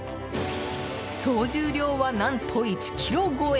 総重量は何と１ｋｇ超え！